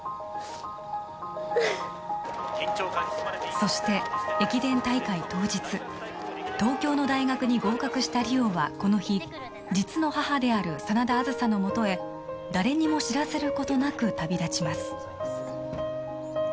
そして駅伝大会当日東京の大学に合格した梨央はこの日実の母である真田梓のもとへ誰にも知らせることなく旅立ちます